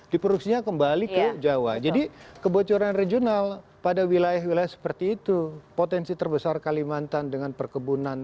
diproduksinya kembali ke jawa jadi kebocoran regional pada wilayah wilayah seperti itu potensi terbesar kalimantan dengan perkebunan